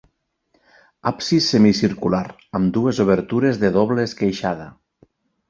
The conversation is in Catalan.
Absis semicircular, amb dues obertures de doble esqueixada.